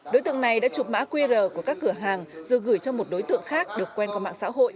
đối tượng này đã chụp mã qr của các cửa hàng rồi gửi cho một đối tượng khác được quen có mạng xã hội